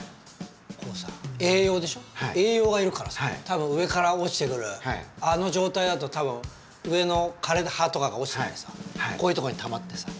こうさ栄養でしょ栄養が要るからさたぶん上から落ちてくるあの状態だとたぶん上の枯れた葉とかが落ちてきてさこういうとこにたまってさ。